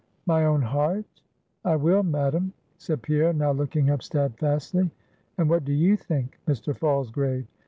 "My own heart? I will, Madam" said Pierre, now looking up steadfastly; "but what do you think, Mr. Falsgrave?"